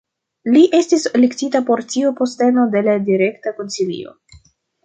Li estis elektita por tiu posteno la de la Direkta Konsilio.